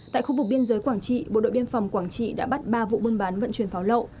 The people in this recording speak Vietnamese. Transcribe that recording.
tại khu vực biên giới quảng trị bộ đội biên phòng quảng trị đã bắt ba vụ buôn bán vận chuyển pháo lậu